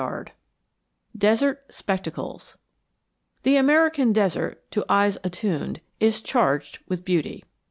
XIX DESERT SPECTACLES The American desert, to eyes attuned, is charged with beauty.